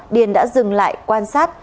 điền đã dừng lại quan sát